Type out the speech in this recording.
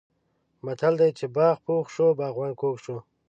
متل دی: چې باغ پوخ شو باغوان کوږ شو.